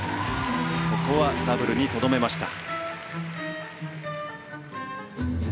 ここはダブルにとどめました。